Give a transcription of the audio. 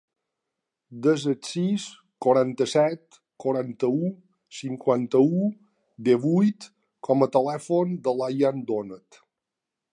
Desa el sis, quaranta-set, quaranta-u, cinquanta-u, divuit com a telèfon de l'Ayaan Donet.